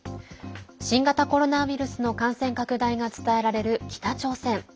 新型コロナウイルスの感染拡大が伝えられる北朝鮮。